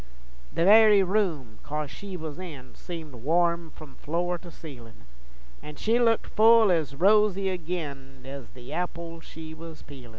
The very room, coz she was in, Seemed warm f'om floor to ceilin', An' she looked full ez rosy agin Ez the apples she was peelin'.